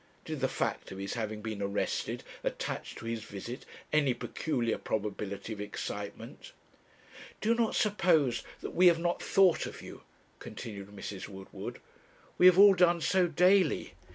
Did the fact of his having been arrested attach to his visit any peculiar probability of excitement? 'Do not suppose that we have not thought of you,' continued Mrs. Woodward.' We have all done so daily.